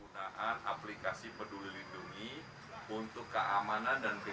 penggunaan aplikasi peduli lindungi untuk keamanan dan kenyamanan berbelanja di pasar ini